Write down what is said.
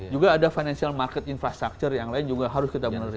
juga ada financial market infrastructure yang lain juga harus kita mulai